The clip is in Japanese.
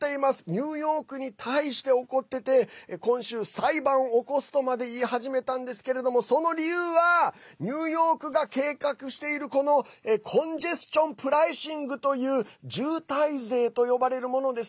ニューヨークに対して怒ってて今週、裁判起こすとまで言い始めたんですけれどもその理由はニューヨークが計画しているコンジェスチョンプライシングという渋滞税と呼ばれるものです。